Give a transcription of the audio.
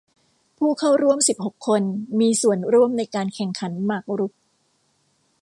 ผู้เข้าร่วมสิบหกคนมีส่วนร่วมในการแข่งขันหมากรุก